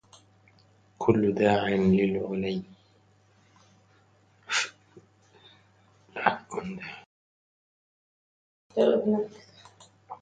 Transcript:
كل داع لعلي